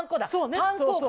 パン粉を。